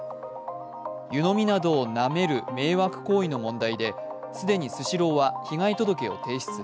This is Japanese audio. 湯飲みなどをなめる迷惑行為の問題で既にスシローは被害届を提出。